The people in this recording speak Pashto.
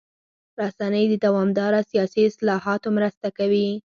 رسنۍ د دوامداره سیاسي اصلاحاتو مرسته کوي.